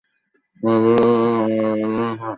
মজার বিষয় হলো, তিনি সেদিন যেমন তরুণ ছিলেন, আজও তেমনই আছেন।